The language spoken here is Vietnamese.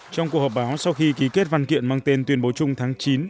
trong cuộc họp báo sau khi ký kết văn kiện mang tên tuyên bố chung tháng chín